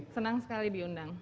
senang sekali diundang